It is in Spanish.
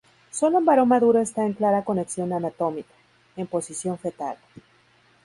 Solo un varón maduro está en clara conexión anatómica, en posición fetal.